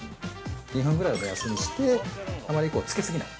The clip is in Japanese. ２分ぐらいを目安にしてあまりつけ過ぎない。